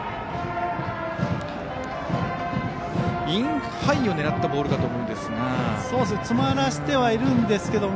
インハイを狙ったボールだと思うんですが。